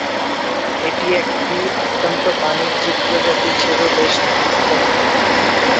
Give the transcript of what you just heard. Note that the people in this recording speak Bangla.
এটি একটি অত্যন্ত বাণিজ্যিক প্রজাতি হিসেবে বেশ নামকরা।